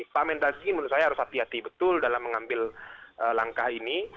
pak mendagri menurut saya harus hati hati betul dalam mengambil langkah ini